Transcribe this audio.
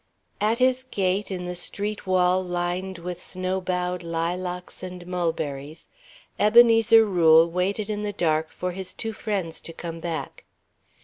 XIV At his gate in the street wall lined with snow bowed lilacs and mulberries, Ebenezer Rule waited in the dark for his two friends to come back.